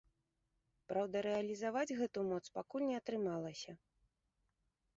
Праўда, рэалізаваць гэту моц пакуль не атрымалася.